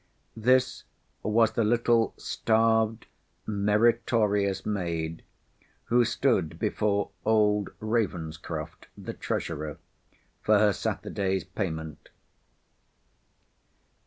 This was the little starved, meritorious maid, who stood before old Ravenscroft, the treasurer, for her Saturday's payment.